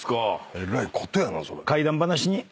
えらいことやな。